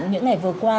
những ngày vừa qua